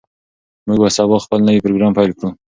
موږ به سبا خپل نوی پروګرام پیل کړو.